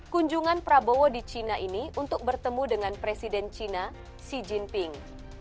kunjungan prabowo di china ini untuk bertemu dengan presiden china xi jinping